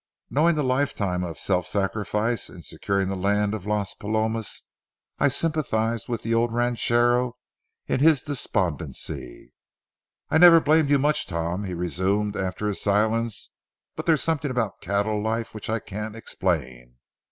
Knowing the lifetime of self sacrifice in securing the land of Las Palomas, I sympathized with the old ranchero in his despondency. "I never blamed you much, Tom," he resumed after a silence; "but there's something about cattle life which I can't explain.